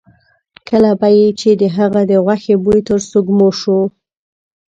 کله به یې چې د هغه د غوښې بوی تر سپېږمو شو.